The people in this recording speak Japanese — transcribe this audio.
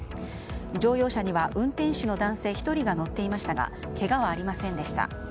乗用車には運転手の男性１人が乗っていましたがけがはありませんでした。